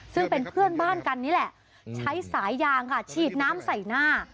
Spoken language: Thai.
ซึ่งเป็นเพื่อนบ้านกันนี่แหละใช้สายยางค่ะฉีดน้ำใส่หน้า